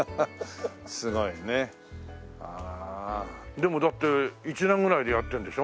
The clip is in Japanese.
でもだって１年ぐらいでやってるんでしょ？